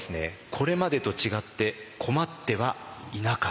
これまでと違って困ってはいなかったようであります。